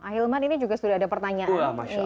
ahilman ini juga sudah ada pertanyaan